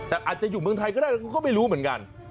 แต่อาจจะอยู่เมืองไทยก็ได้เขาก็ไม่รู้เหมือนกัน